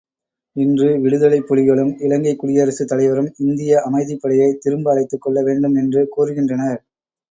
இன்று விடுதலைப் புலிகளும், இலங்கைக் குடியரசு தலைவரும் இந்திய அமைதிப்படையைத் திரும்ப அழைத்துக் கொள்ள வேண்டும் என்று கூறுகின்றனர்.